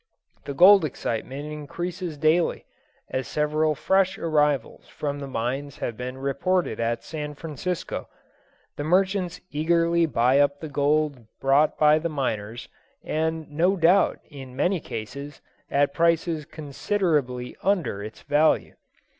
The gold excitement increases daily, as several fresh arrivals from the mines have been reported at San Francisco. The merchants eagerly buy up the gold brought by the miners, and no doubt, in many cases, at prices considerably under its value.